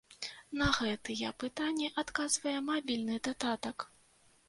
На гэтыя пытанні адказвае мабільны дадатак.